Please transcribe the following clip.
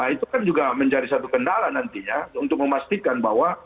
itu kan juga menjadi satu kendala nanti ya untuk memastikan bahwa